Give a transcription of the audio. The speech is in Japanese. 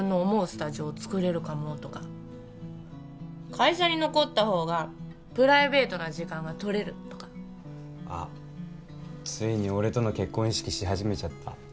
スタジオつくれるかもとか会社に残ったほうがプライベートな時間がとれるとかあっついに俺との結婚意識し始めちゃった？